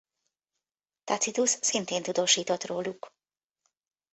Tacitus szintén tudósított róluk.